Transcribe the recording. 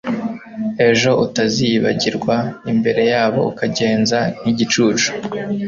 ejo utaziyibagirirwa imbere yabo ukagenza nk'igicucu